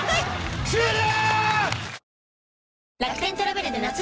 終了！